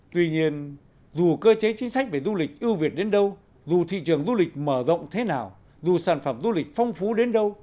tuy nhiên dù cơ chế chính sách về du lịch ưu việt đến đâu dù thị trường du lịch mở rộng thế nào dù sản phẩm du lịch phong phú đến đâu